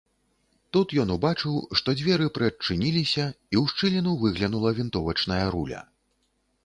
Тут ён убачыў, што дзверы прыадчыніліся і ў шчыліну выглянула вінтовачная руля.